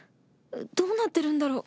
どうなってるんだろう？